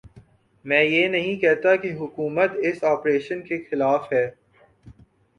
میں یہ نہیں کہتا کہ حکومت اس آپریشن کے خلاف ہے۔